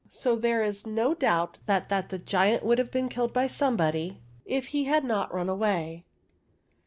So there is no doubt that that giant would have been killed by somebody if he had hot run away.